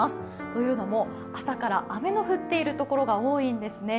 というのも、朝から雨の降っている所が多いんですね。